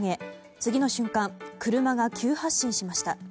次の瞬間、車が急発進しました。